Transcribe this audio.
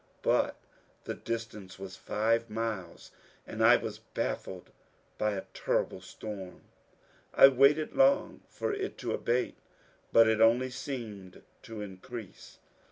But the distance was five miles, and I was bafiSed by a terrible storm. I waited long for it to abate, but it only seemed to increase.